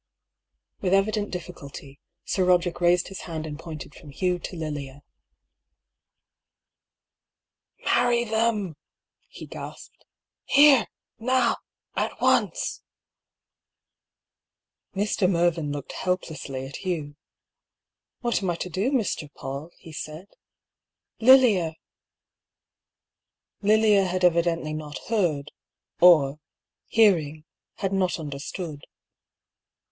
With evident difficulty, Sir Roderick raised his hand and pointed from Hugh to Lilia. " Marry them I " he gasped. " Here, now, at once !" Mr. Mervyn looked helplessly at Hugh. " What am I to do, Mr. Paull ?" he said. " Lilia !" Lilia had evidently not heard, or hearing, had not understood.